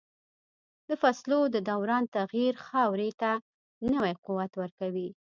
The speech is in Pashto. د فصلو د دوران تغییر خاورې ته نوی قوت ورکوي.